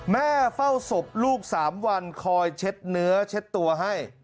แม่เฝ้าศพลูก๓วันคอยเช็ดเนื้อเช็ดตัวให้